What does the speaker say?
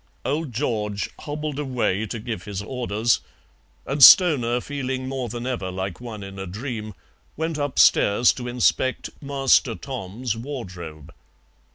Old George hobbled away to give his orders, and Stoner, feeling more than ever like one in a dream, went upstairs to inspect "Master Tom's" wardrobe.